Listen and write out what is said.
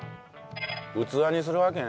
器にするわけね。